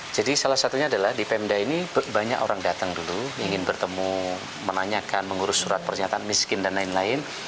jadi salah satunya adalah di pemda ini banyak orang datang dulu ingin bertemu menanyakan mengurus surat perjanjian miskin dan lain lain